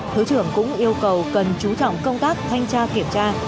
thứ trưởng cũng yêu cầu cần chú trọng công tác thanh tra kiểm tra